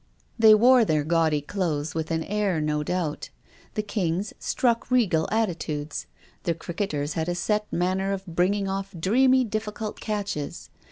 They wore their gaudy clothes with an air, no doubt. The Kings struck regal attitudes. The cricketers had a set manner of bringing off dreamy, difficult catches.